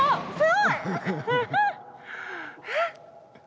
あっすごい！えっ？